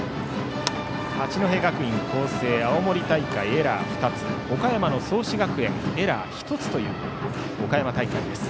八戸学院光星は青森大会、エラー２つ岡山の創志学園はエラー１つという岡山大会です。